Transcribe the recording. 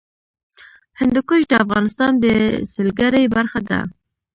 هندوکش د افغانستان د سیلګرۍ برخه ده.